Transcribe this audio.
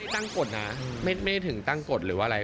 ตั้งกฎนะไม่ถึงตั้งกฎหรือว่าอะไร